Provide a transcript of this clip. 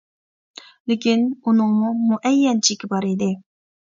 لېكىن ئۇنىڭمۇ مۇئەييەن چېكى بار ئىدى.